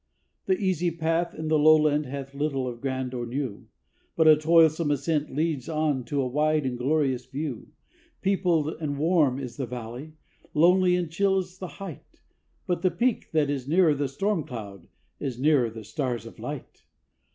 The easy path in the lowland hath little of grand or new, But a toilsome ascent leads on to a wide and glorious view; Peopled and warm is the valley, lonely and chill the height, But the peak that is nearer the storm cloud is nearer the stars of light.